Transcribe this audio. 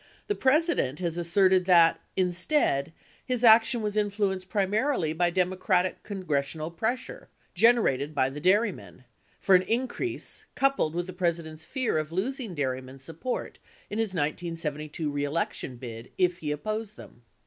The President has asserted that, instead, his action was influenced primarily by Democratic congressional pressure (generated by the dairymen) for an increase coupled with the President's fear of losing dairymen support in his 1972 reelection bid if he opposed them.